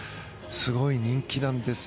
すごい人気なんですよ。